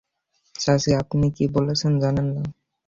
চাচি, আপনি কি বলছেন জানেন না।